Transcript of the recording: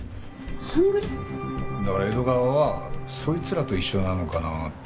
だから江戸川はそいつらと一緒なのかなって。